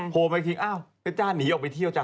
โพรไปคิงอ้าวเจ้าหนีออกไปเที่ยวจ้ะ